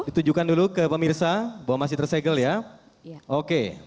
ditujukan dulu ke pemirsa bahwa masih tersegel ya oke